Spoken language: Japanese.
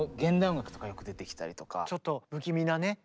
ちょっと不気味なね。